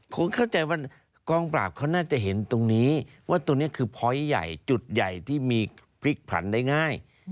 คุณเข้าใจว่ากองปราบเขาน่าจะเห็นตรงนี้ว่าตรงนี้คือพอยต์ใหญ่จุดใหญ่ที่มีพลิกผันได้ง่าย